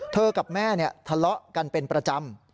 กับแม่ทะเลาะกันเป็นประจำ